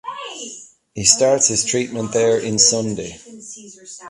He starts his treatment there in Sunday.